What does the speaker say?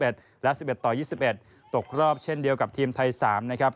และ๑๑ต่อ๒๑ตกรอบเช่นเดียวกับทีมไทย๓นะครับ